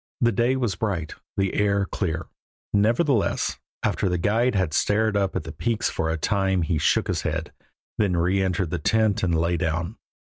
The day was bright, the air clear, nevertheless after the guide had stared up at the peaks for a time he shook his head, then reëntered the tent and lay down.